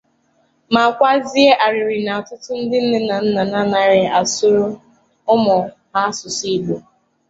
ma kwazie arịrị na ọtụtụ ndị nne na nna anaghị asụrụ ụmụ ha asụsụ Igbo